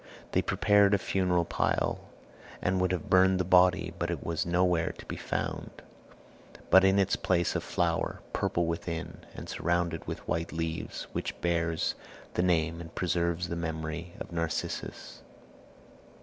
They prepared a funeral pile and would have burned the body, but it was nowhere to be found; but in its place a flower, purple within, and surrounded with white leaves, which bears the name and preserves the memory of Narcissus.